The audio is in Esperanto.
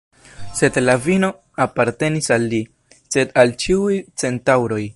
Sed la vino apartenis ne nur al li, sed al ĉiuj centaŭroj.